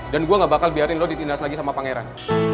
dan gue gak bakal biarin lo ditindas lagi sama pangeran